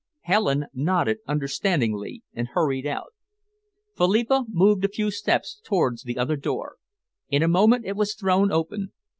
Helen nodded understandingly and hurried out. Philippa moved a few steps towards the other door. In a moment it was thrown open.